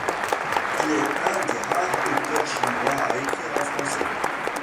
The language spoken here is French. Il est un des rares auteurs chinois à écrire en français.